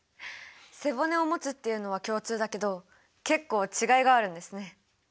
背骨をもつっていうのは共通だけど結構違いがあるんですね。